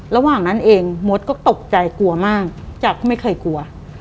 ระหว่างนั้นเองมดก็ตกใจกลัวมากจากก็ไม่เคยกลัว